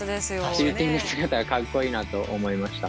ティルティング姿がかっこいいなと思いました。